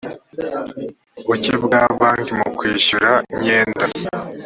buke bwa banki mu kwishyura imyenda